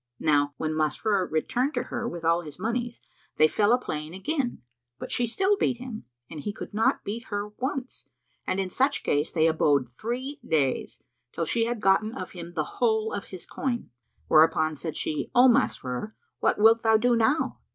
Now when Masrur returned to her with all his monies they fell a playing again; but she still beat him and he could not beat her once; and in such case they abode three days, till she had gotten of him the whole of his coin; whereupon said she, "O Masrur, what wilt thou do now?"